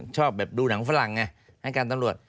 ชอบแบบดูหนังฝรั่งไงให้การตำรวจ